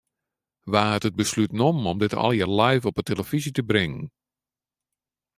Wa hat it beslút nommen om dit allegearre live op 'e telefyzje te bringen?